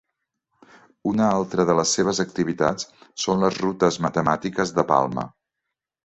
Una altra de les seves activitats són les rutes matemàtiques de Palma.